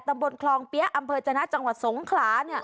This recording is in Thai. ตำบลคลองเปี๊ยะอำเภอจนะจังหวัดสงขลา